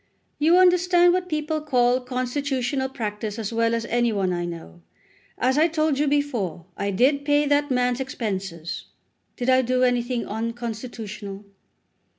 "You understand what people call constitutional practice as well as any one I know. As I told you before, I did pay that man's expenses. Did I do anything unconstitutional?"